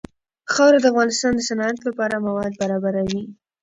خاوره د افغانستان د صنعت لپاره مواد برابروي.